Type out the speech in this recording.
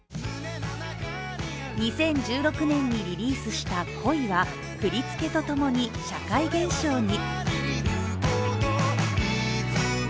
２０１６年にリリースした「恋」は振り付けとともに社会現象に。